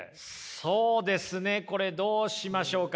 そうですねこれどうしましょうかね。